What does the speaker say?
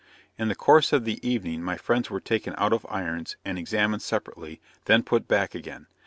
In the course of the evening my friends were taken out of irons and examined separately, then put back again.